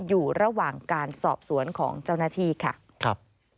อยู่ระหว่างการสอบสวนของเจ้าหน้าที่ค่ะครับ